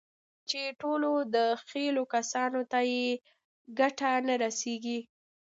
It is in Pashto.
چې ټولو دخيلو کسانو ته يې ګټه نه رسېږي.